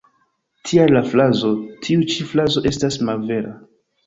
Tial la frazo ""Tiu ĉi frazo estas malvera.